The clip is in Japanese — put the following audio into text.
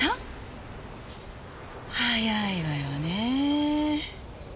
早いわよねぇ。